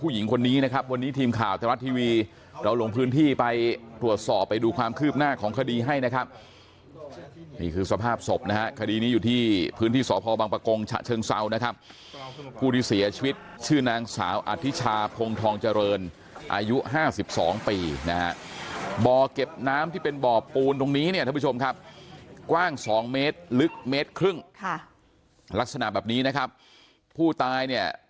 หญิงคนนี้นะครับวันนี้ทีมข่าวแต่วัดทีวีเราลงพื้นที่ไปตรวจสอบไปดูความคืบหน้าของคดีให้นะครับนี่คือสภาพศพนะครับคดีนี้อยู่ที่พื้นที่สภบังปะโกงชะเชิงเศร้านะครับกู้ที่เสียชีวิตชื่อนางสาวอธิชาพงธองเจริญอายุ๕๒ปีนะบ่อเก็บน้ำที่เป็นบ่อปูนตรงนี้เนี่ยท่านผู้ชมครับกว้าง๒เม